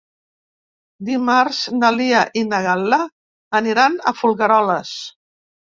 Dimarts na Lia i na Gal·la aniran a Folgueroles.